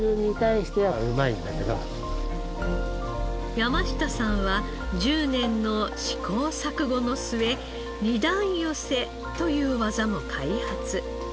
山下さんは１０年の試行錯誤の末「二段寄せ」という技も開発。